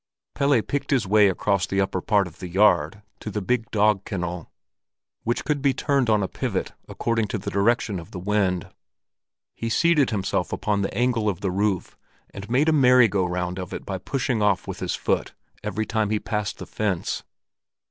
Pelle picked his way across the upper part of the yard to the big dog kennel, which could be turned on a pivot according to the direction of the wind. He seated himself upon the angle of the roof, and made a merry go round of it by pushing off with his foot every time he passed the fence.